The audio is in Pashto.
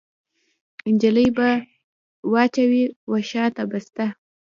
نجلۍ به واچوي وشا ته بسته